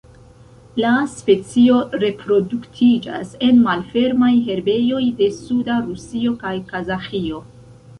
La specio reproduktiĝas en malfermaj herbejoj de suda Rusio kaj Kazaĥio.